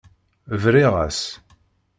Briɣ-as.